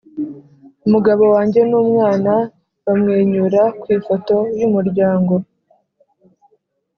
umugabo wanjye n'umwana bamwenyura ku ifoto y'umuryango;